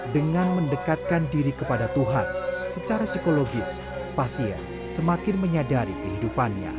dengan mendekatkan diri kepada tuhan secara psikologis pasien semakin menyadari kehidupannya